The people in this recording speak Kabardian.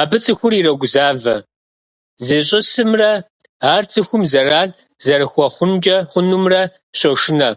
Абы цӀыхухэр ирогузавэ, зищӀысымрэ ар цӀыхум зэран зэрыхуэхъункӀэ хъунумрэ щошынэ.